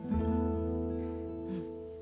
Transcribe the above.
うん。